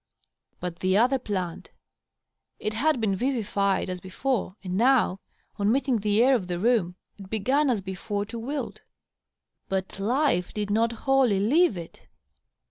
.. But the otner plant I It had been vivified as before, and now, on meeting the air of the room, it b^n, as before, to wilt. Bid life did not wholly leave it.